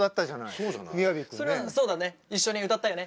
そうだね一緒に歌ったよね。